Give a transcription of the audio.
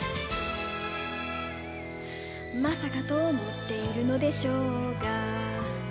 「まさかと思っているのでしょうが」